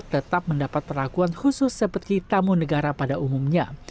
tetap mendapat perlakuan khusus seperti tamu negara pada umumnya